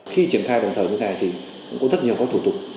khi triển khai bằng thờ như thế này thì cũng rất nhiều có thủ tục